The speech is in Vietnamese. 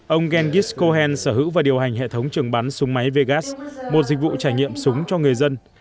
ông gen giscohen sở hữu và điều hành hệ thống trường bắn súng máy vegas một dịch vụ trải nghiệm súng cho người dân